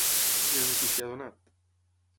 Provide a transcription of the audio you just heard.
Quina notícia ha donat?